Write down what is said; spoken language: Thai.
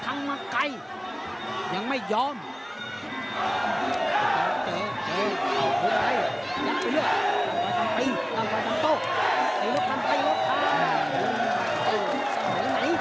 ต้องกลับไปต้องกลับไปต้องกลับไป